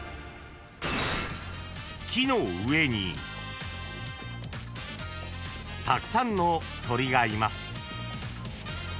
［木の上にたくさんの鳥がいます］